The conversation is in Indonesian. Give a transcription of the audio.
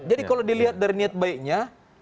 jadi kalau dilihat dari niat baiknya